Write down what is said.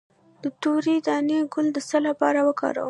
د تورې دانې ګل د څه لپاره وکاروم؟